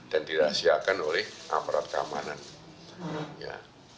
dan dirahasiakan oleh aparat keamanan ya